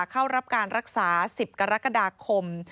เข้ารับการรักษา๑๐กรกฎาคม